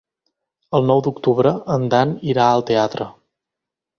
El nou d'octubre en Dan irà al teatre.